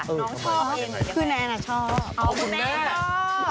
น้องชอบเอง